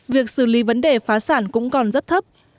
việc xử lý vấn đề phá sản cũng còn rất thấp